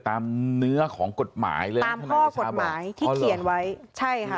ตามข้อกฎหมายที่เขียนไว้ใช่ค่ะ